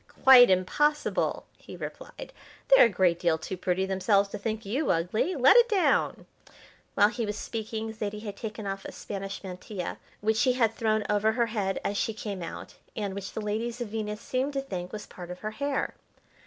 "Quite impossible!" he replied. "They're a great deal too pretty themselves to think you ugly. Let it down!" While he was speaking Zaidie had taken off a Spanish mantilla which she had thrown over her head as she came out, and which the ladies of Venus seemed to think was part of her hair.